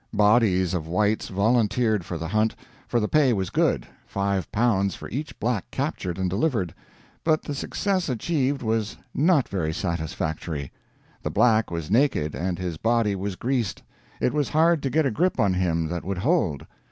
Bodies of Whites volunteered for the hunt, for the pay was good L5 for each Black captured and delivered, but the success achieved was not very satisfactory. The Black was naked, and his body was greased. It was hard to get a grip on him that would hold.